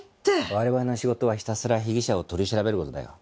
我々の仕事はひたすら被疑者を取り調べる事だよ。